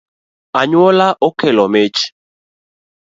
Anyuola okelo mich